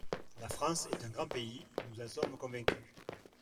La France est un grand pays, nous en sommes convaincus.